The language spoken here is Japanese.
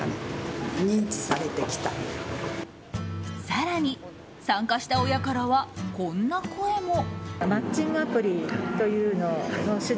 更に参加した親からはこんな声も。